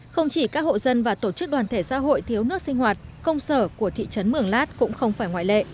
không chỉ các hộ dân và tổ chức đoàn thể xã hội thiếu nước sinh hoạt công sở của thị trấn mường lát cũng không phải ngoại lệ